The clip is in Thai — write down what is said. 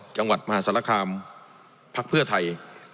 จังหวัดมหาศาลคามพักเพื่อไทย